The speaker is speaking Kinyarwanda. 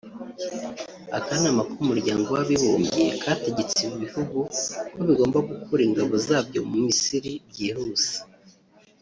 akanama k’umuryango w’abibumbye kategetse ibi bihugu ko bigomba gukura ingabo zabyo muri Misiri byihuse